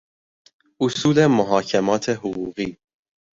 اصول محاکمات حقوقی